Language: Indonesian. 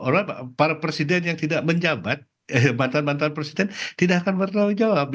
orang para presiden yang tidak menjabat mantan mantan presiden tidak akan bertanggung jawab